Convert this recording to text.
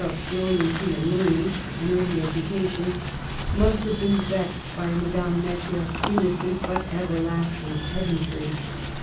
of brilliancy and learning and early educa tion, must have been vexed at Madame Necker' s innocent but everlasting pedantry.